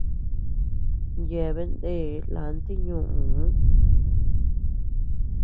Yeabean nde lanti ñuu.